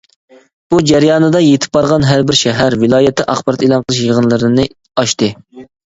بۇ جەريانىدا يىتىپ بارغان ھەر بىر شەھەر ، ۋىلايەتتە ئاخبارات ئېلان قىلىش يىغىنلىرىنى ئاچتى.